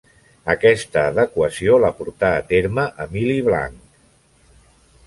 Aquesta adequació la portà a terme Emili Blanch.